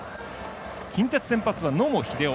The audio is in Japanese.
近鉄先発は、野茂英雄。